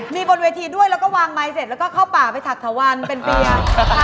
มีบนเวทีด้วยแล้วก็วางไมค์เสร็จแล้วก็เข้าป่าไปถัดถวันเป็นเปียร์